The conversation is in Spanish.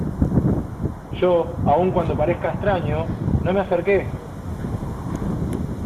yo, aun cuando parezca extraño , no me acerqué.